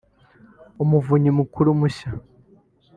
Umuvunyi Mukuru mushya